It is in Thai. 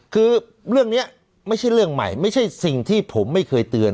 คือเรื่องนี้ไม่ใช่เรื่องใหม่ไม่ใช่สิ่งที่ผมไม่เคยเตือน